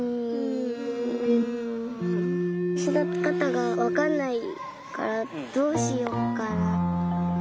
そだてかたがわかんないからどうしようかな。